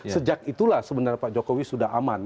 sejak itulah sebenarnya pak jokowi sudah aman